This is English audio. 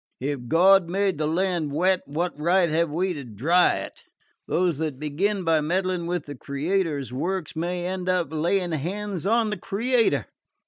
If God made the land wet, what right have we to dry it? Those that begin by meddling with the Creator's works may end by laying hands on the Creator."